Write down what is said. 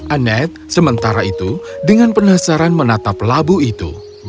anet sementara itu dengan penasaran menatap labu itu